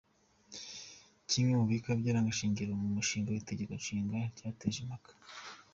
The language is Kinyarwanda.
Kimwe mu bika by’Irangashingiro mu mushinga w’Itegeko Nshinga cyateje impaka.